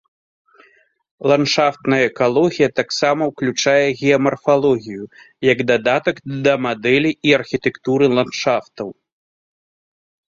Ландшафтная экалогія таксама ўключае геамарфалогію, як дадатак да мадэлі і архітэктуры ландшафтаў.